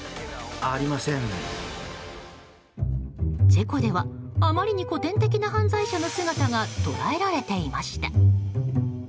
チェコではあまりに古典的な犯罪者の姿が捉えられていました。